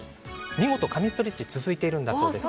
見事、神ストレッチ続いているんだそうです。